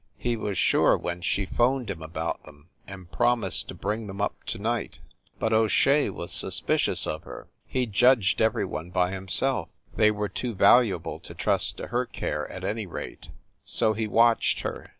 He was sure when she phoned him about them, and promised to bring them up to night. But O Shea was sus picious of her he judged every one by himself they were too valuable to trust to her care, at any rate. So he watched her.